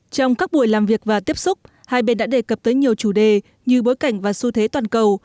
trong các buổi làm việc và tiếp xúc hai bên đã đề cập tới nhiều chủ đề như bối cảnh và xu thế toàn cầu